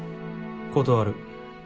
断る。